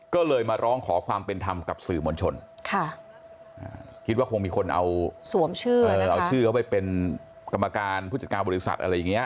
ก็เลยมาร้องขอความเป็นธรรมกับสื่อมวลชนคิดว่าคงมีคนเอาสวมชื่อเอาชื่อเขาไปเป็นกรรมการผู้จัดการบริษัทอะไรอย่างนี้